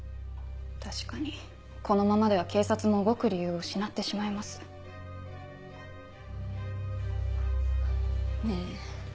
確かにこのままでは警察も動く理由を失ってしまいます。ねぇ。